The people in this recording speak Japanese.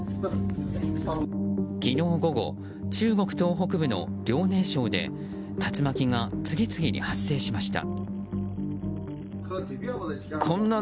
昨日午後、中国東北部の遼寧省で竜巻が次々に発生しました。